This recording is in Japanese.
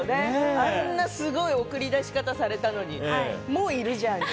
あんなすごい送り出し方をされたのに、もういるじゃんって。